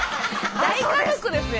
大家族ですやん。